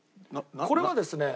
これはですね